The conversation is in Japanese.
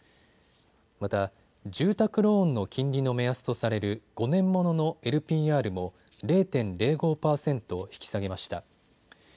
また、住宅ローンの金利の目安とされる５年もののＬＰＲも０．０５％引き下げました。